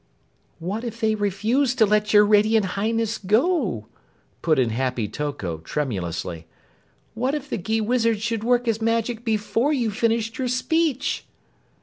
"What if they refuse to let your radiant Highness go?" put in Happy Toko tremulously. "What if the Gheewizard should work his magic before you finished your speech?"